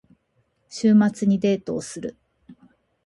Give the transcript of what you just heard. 週末にデートをする。